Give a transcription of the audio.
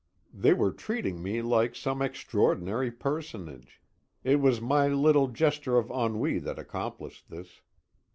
They were treating me like some extraordinary personage. It was my little gesture of ennui that accomplished this.